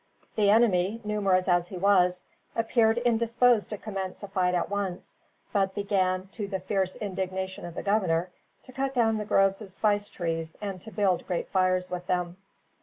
The enemy, numerous as he was, appeared indisposed to commence a fight at once, but began, to the fierce indignation of the governor, to cut down the groves of spice trees, and to build great fires with them.